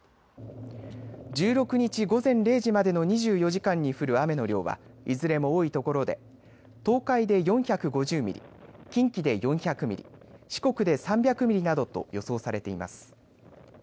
１６日午前０時までの２４時間に降る雨の量はいずれも多いところで東海で４５０ミリ、近畿で４００ミリ、四国で３００ミリなどと予想されています。